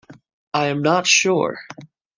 I am not sure.